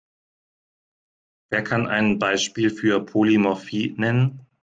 Wer kann ein Beispiel für Polymorphie nennen?